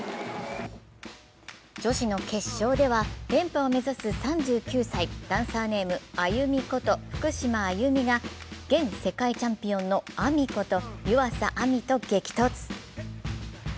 女子の決勝では連覇を目指す３９歳、ダンサーネーム・ＡＹＵＭＩこと福島あゆみが現世界チャンピオンのＡＭＩこと湯浅亜実と激突。